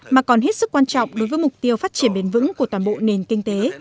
mà còn hết sức quan trọng đối với mục tiêu phát triển bền vững của toàn bộ nền kinh tế